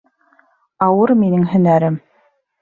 Ауыр минең һөнәрем.